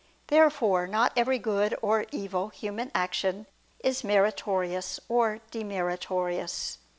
Therefore not every good or evil human action is meritorious or demeritorious.